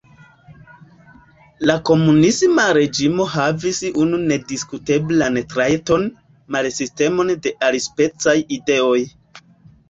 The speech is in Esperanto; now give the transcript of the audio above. La komunisma reĝimo havis unu nediskuteblan trajton: malestimon de alispecaj ideoj.